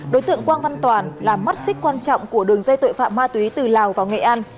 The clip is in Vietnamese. đối tượng quang văn toàn là mắt xích quan trọng của đường dây tội phạm ma túy từ lào vào nghệ an